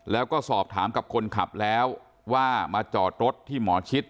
แล้วก็สอบถามกับคนขับแล้วว่ามาจอดรถที่หมอชิด